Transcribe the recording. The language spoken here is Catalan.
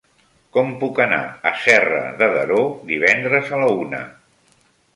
Com puc anar a Serra de Daró divendres a la una?